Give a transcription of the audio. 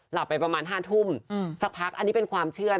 หลับไปประมาณ๕ทุ่มสักพักอันนี้เป็นความเชื่อ